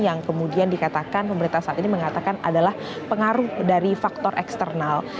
yang kemudian dikatakan pemerintah saat ini mengatakan adalah pengaruh dari faktor eksternal